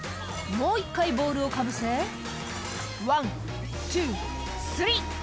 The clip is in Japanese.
「もう１回ボウルをかぶせ」「ワン・ツー・スリー！」